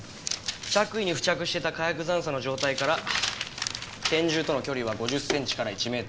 着衣に付着していた火薬残渣の状態から拳銃との距離は５０センチから１メーター。